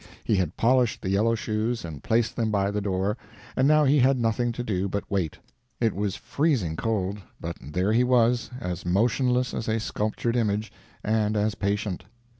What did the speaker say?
He had polished the yellow shoes and placed them by the door, and now he had nothing to do but wait. It was freezing cold, but there he was, as motionless as a sculptured image, and as patient.